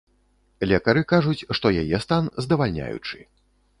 Лекары кажуць, што яе стан здавальняючы.